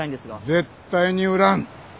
絶対に売らん。